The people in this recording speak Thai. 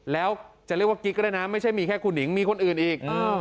แล้วจะเรียกว่ากิ๊กก็ได้นะไม่ใช่มีแค่ครูหนิงมีคนอื่นอีก